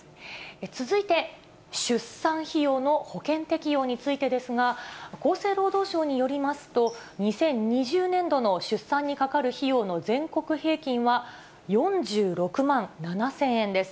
続いて、出産費用の保険適用についてですが、厚生労働省によりますと、２０２０年度の出産にかかる費用の全国平均は４６万７０００円です。